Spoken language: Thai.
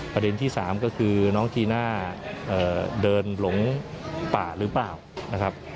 ประเด็นที่๓ก็คือน้องจีน่าเดินหลงป่าหรือเปล่านะครับ